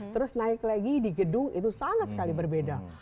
terus naik lagi di gedung itu sangat sekali berbeda